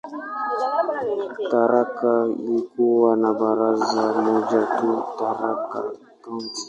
Tharaka ilikuwa na baraza moja tu, "Tharaka County".